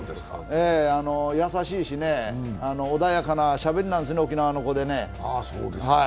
優しいしね、穏やかなしゃべりなんですね、沖縄の子でね。